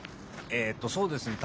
えっとそうですね